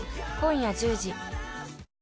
今夜１０時。